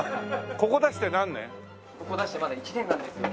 ここ出してまだ１年なんですよ。